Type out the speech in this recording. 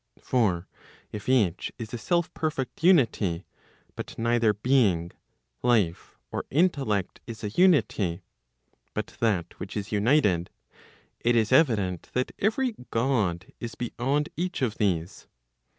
For if each is a self perfect unity, but neither being, life, or Intellect is a unity, but that which is united, it is evident that every God is beyond each of these.